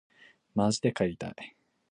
まじで帰りたい